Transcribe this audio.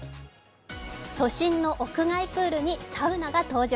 都心の屋外プールにサウナが登場。